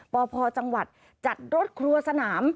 พพจังหวัดจัดรถครัวสนาม